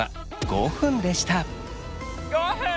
５分！？